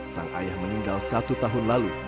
sang ayah meninggal satu tahun lalu